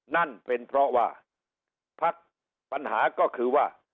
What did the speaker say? นั่นเป็นเพราะว่าพักปัญหาก็คือว่า